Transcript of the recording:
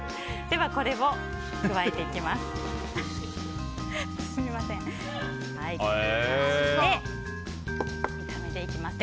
では、これを加えていきます。